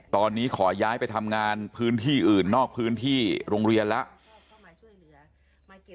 ตอนนี้ขอย้ายไปทำงานพื้นที่อื่นนอกพื้นที่โรงเรียนแล้ว